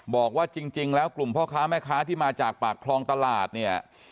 บอกว่าจริงแล้วกลุ่มพ่อค้าแม่ค้าที่มาจากปากคลองตลาดเนี่ย